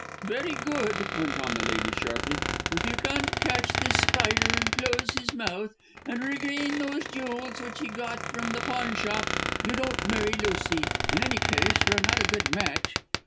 "Very good," went on the lady sharply, "if you don't catch this Spider and close his mouth and regain those jewels which he got from the pawnshop you don't marry Lucy. In any case you are not a good match."